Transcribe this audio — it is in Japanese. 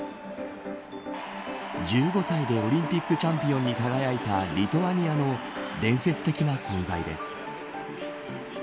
１５歳でオリンピックチャンピオンに輝いたリトアニアの伝説的な存在です。